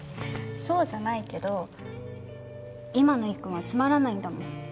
そうじゃないけど今のいっくんはつまらないんだもん。